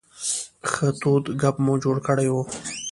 ښه تود ګپ مو جوړ کړی و.